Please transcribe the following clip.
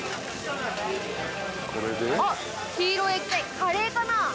あっ黄色い液体カレーかな？